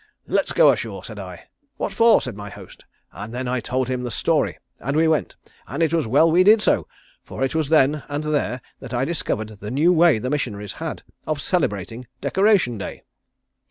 "'Let's go ashore,' said I. 'What for?' said my host; and then I told him the story and we went, and it was well we did so, for it was then and there that I discovered the new way the missionaries had of celebrating Decoration Day.